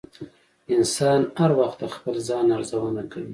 انسان هر وخت د خپل ځان ارزونه کوي.